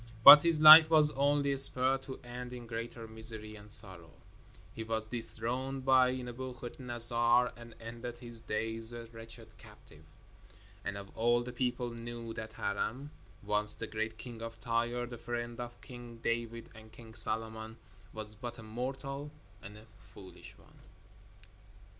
But his life was only spared to end in greater misery and sorrow. He was dethroned by Nebuchadnezzar and ended his days a wretched captive. And all the people knew that Hiram, once the great king of Tyre, the friend of King David and King Solomon, was but a mortal and a foolish one.